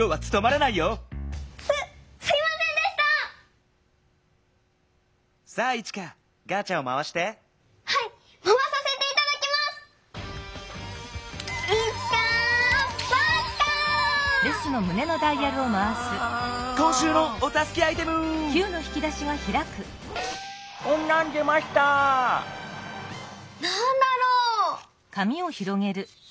なんだろう？